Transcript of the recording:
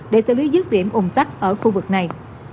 để xử lý dứt điểm ủng tắc ở khu vực này